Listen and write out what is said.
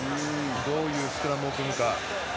どういうスクラムを組むか。